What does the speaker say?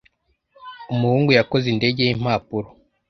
Umuhungu yakoze indege yimpapuro.